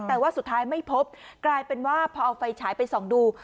แต่ว่าสุดท้ายไม่พบกลายเป็นว่าพอเอาไฟฉายไปส่องดู